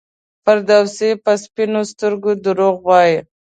فردوسي په سپینو سترګو دروغ وایي.